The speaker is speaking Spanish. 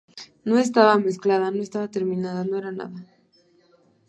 No estaba mezclada, no estaba terminada, no era nada.